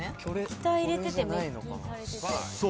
液体入れてて滅菌されてて。